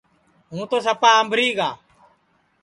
ہوں تو سپا آمبھری گا